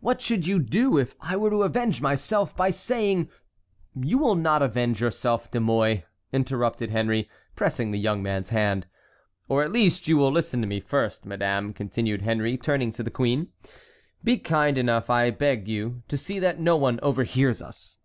What should you do if I were to avenge myself by saying"— "You will not avenge yourself, De Mouy," interrupted Henry, pressing the young man's hand, "or at least you will listen to me first. Madame," continued Henry, turning to the queen, "be kind enough, I beg you, to see that no one overhears us."